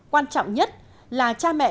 quan trọng nhất là cha mẹ